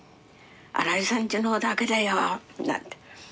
「新井さんちのだけだよ」なんて。